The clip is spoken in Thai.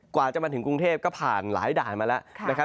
กว่าจะมาถึงกรุงเทพก็ผ่านหลายด่านมาแล้วนะครับ